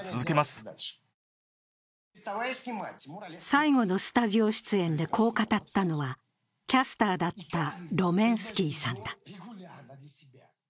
最後のスタジオ出演でこう語ったのは、キャスターだったロメンスキーさんだ。